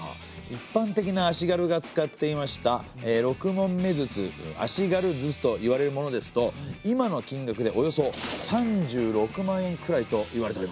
いっぱんてきな足軽が使っていました六匁筒足軽筒といわれるものですと今の金額でおよそ３６万円くらいといわれております。